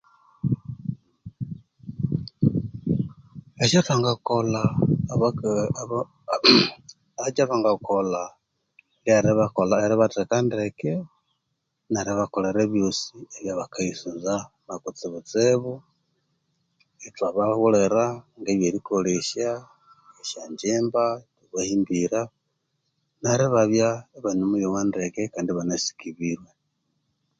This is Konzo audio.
Ekyathwangakola lyeribathekandeke neribakolhera ebyosi ebyabakayisunza na kutsibutsibu ithwabaghulira ebyerikolesya; esyanjimba, itwabahimbira neryo ibabya ibanimuyowa ndeke kandi ibanasikibirwe.